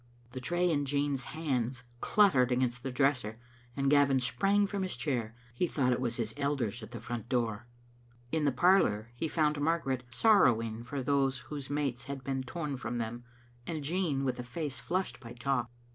The tray in Jean's hands clattered against the dresser, and Gavin sprang from his chair. He thought it was his elders at the front door. In the parlour he found Margaret sorrowing for those whose mates had been torn from them, and Jean with a face flushed by talk.